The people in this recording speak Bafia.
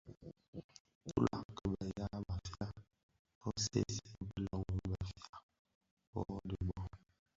Tülag ki bëya bëfia kō see see bi lön befia bō dhi bō,